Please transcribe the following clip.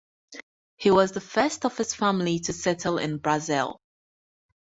He was the first of his family to settle in Brazil.